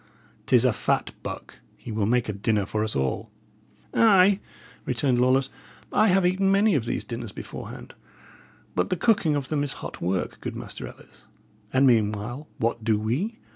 'Tis a fat buck; he will make a dinner for us all." "Ay," returned Lawless, "I have eaten many of these dinners beforehand; but the cooking of them is hot work, good Master Ellis. And meanwhile what do we?